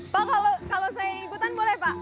pak kalau saya ikutan boleh pak